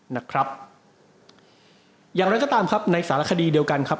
นะครับอย่างไรก็ตามครับในสารคดีเดียวกันครับ